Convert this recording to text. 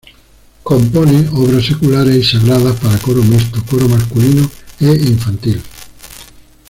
Compone obras seculares y sagradas para coro mixto, coro masculino e infantil.